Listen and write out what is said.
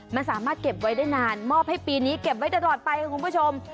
มันสามารถเก็บไว้ได้นานมอบให้ปีนี้เก็บไว้ตลอดไปค่ะคุณผู้ชม